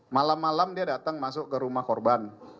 malam malam dia datang masuk ke rumah korban